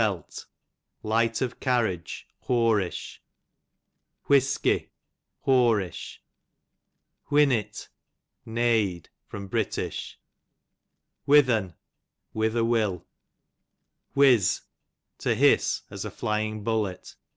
Whisk telt, light of carriage, whorish. Whisky, whorish. Whinnit, neighed. Br. Whithern, whither will. Whiz, to hiss, as a flying bullet.